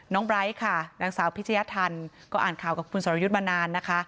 ไบร์ทค่ะนางสาวพิชยธรรมก็อ่านข่าวกับคุณสรยุทธ์มานานนะคะ